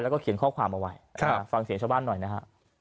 แล้วก็เขียนข้อความเอาไว้ฟังเสียงชาวบ้านหน่อยนะฮะ